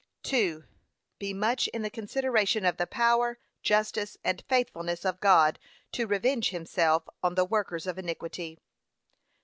2. Be much in the consideration of the power, justice, and faithfulness of God to revenge himself on the workers of iniquity.